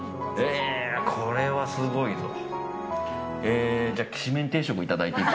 これはすごいぞ。